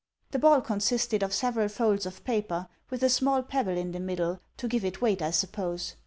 The ball consisted of several folds of paper, with a small pebble in the middle, to give it weight I suppose.